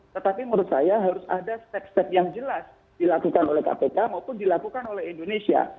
tetapi menurut saya harus ada step step yang jelas dilakukan oleh kpk maupun dilakukan oleh indonesia